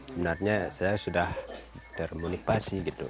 sebenarnya saya sudah termonivasi gitu